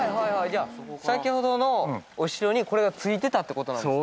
じゃあ先ほどのお城にこれが付いてたって事なんですね。